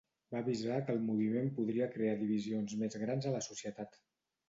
Va avisar que el moviment podria crear divisions més grans a la societat.